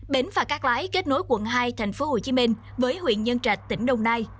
bến phà cắt lái kết nối quận hai thành phố hồ chí minh với huyện nhân trạch tỉnh đồng nai